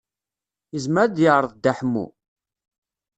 Yezmer ad yeɛreḍ Dda Ḥemmu?